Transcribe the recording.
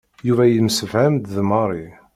Yuba yemsefham d Mary.